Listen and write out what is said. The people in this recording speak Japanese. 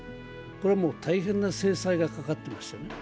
これは大変な制裁がかかっていましてね。